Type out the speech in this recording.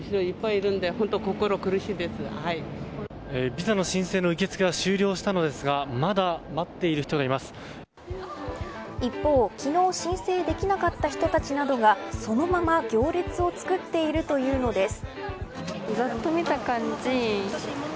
ビザの申請の受け付けは終了したのですが一方、昨日申請できなかった人たちなどがそのまま行列を作っているというのです。